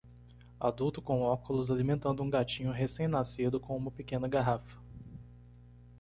Adulto com óculos alimentando um gatinho recém-nascido com uma pequena garrafa